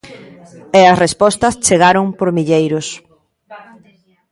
E as respostas chegaron por milleiros.